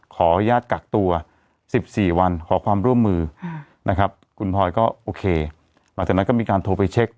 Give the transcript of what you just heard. ขออนุญาตกักตัว๑๔วันขอความร่วมมือนะครับคุณพลอยก็โอเคหลังจากนั้นก็มีการโทรไปเช็ค